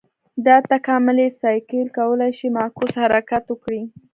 دا تکاملي سایکل کولای شي معکوس حرکت وکړي.